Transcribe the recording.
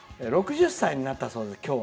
６０歳になったそうです、今日。